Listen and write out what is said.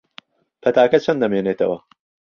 پەتاکە چەند دەمێنێتەوە؟